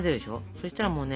そしたらもうね。